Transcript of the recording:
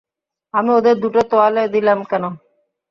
আমি ওদের দুটো তোয়ালে দিলাম কেন?